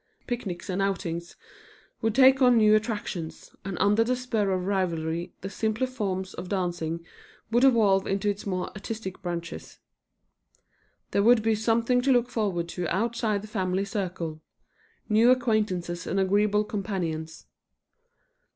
Picnics and outings would take on new attractions, and under the spur of rivalry the simpler forms of dancing would evolve into its more artistic branches. There would be something to look forward to outside the family circle; new acquaintances and agreeable companions.